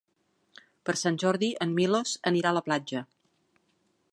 Per Sant Jordi en Milos anirà a la platja.